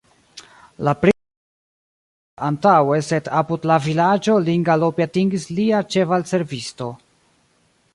La princo estis rajdanta antaŭe, sed apud la vilaĝo lin galope atingis lia ĉevalservisto.